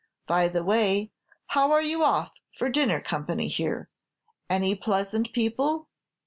By the way, how are you off for dinner company here, any pleasant people?"